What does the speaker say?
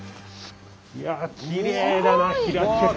いやきれいだな開けて。